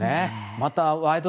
また「ワイド！